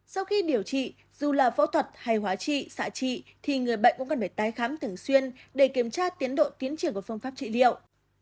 sau khi điều trị dù là phẫu thuật hay hóa trị xạ trị thì người bệnh cũng cần phải tái khám thường xuyên để kiểm tra tiến độ tiến triển của phương pháp trị liệu